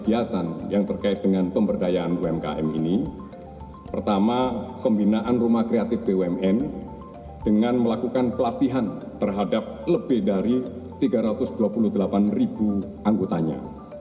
kegiatan yang terkait dengan pemberdayaan umkm ini pertama pembinaan rumah kreatif bumn dengan melakukan pelatihan terhadap lebih dari tiga ratus dua puluh delapan ribu anggotanya